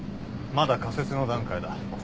まだ仮説の段階だ。